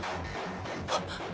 はっ！